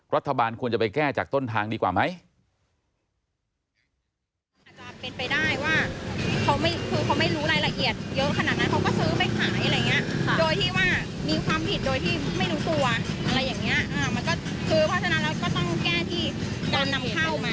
รัฐบาลควรจะไปแก้จากต้นทางดีกว่าไหม